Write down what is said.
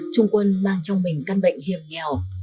trung quân mang trong mình căn bệnh hiểm nghèo